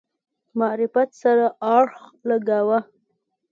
معرفت سره اړخ لګاوه.